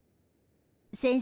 先生。